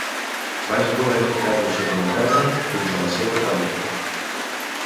Vaig voler ficar-lo sota la terra fins a la seva taüt.